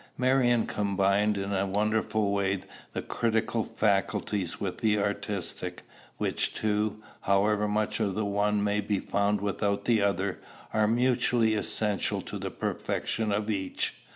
Marion combined in a wonderful way the critical faculty with the artistic; which two, however much of the one may be found without the other, are mutually essential to the perfection of each.